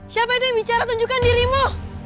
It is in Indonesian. siapa itu yang bikin dirimu